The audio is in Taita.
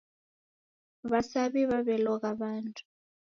W'asaw'i w'aw'elogha w'andu.